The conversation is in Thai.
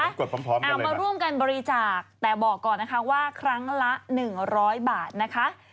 พร้อมเอามาร่วมกันบริจาคแต่บอกก่อนนะคะว่าครั้งละ๑๐๐บาทนะคะ